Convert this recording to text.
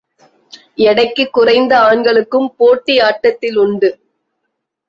எடைக்குக் குறைந்த ஆண்களுக்கும் போட்டி ஆட்டத்தில் உண்டு.